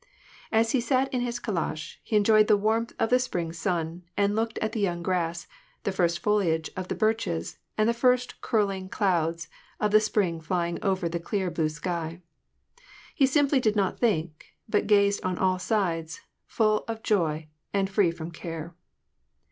As he sat in his calash, he enjoyed the warmth of the spring sun, and looked at the young grass, the first foliage of the birches, and the first curling clouds of the spring flying over the clear blue sky. He simply did not think, but gazed on all sides, full of joy, and free from care.